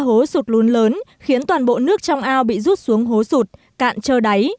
hố sụt lún lớn khiến toàn bộ nước trong ao bị rút xuống hố sụt cạn trơ đáy